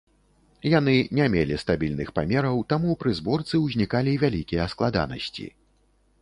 Яны не мелі стабільных памераў, таму пры зборцы ўзнікалі вялікія складанасці.